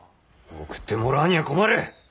送ってもらわにゃ困る！